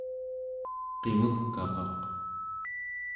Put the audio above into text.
qimugkaraq